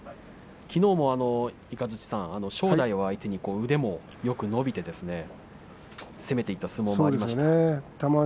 きのうも正代を相手に腕もよく伸びて攻めていった相撲もありました。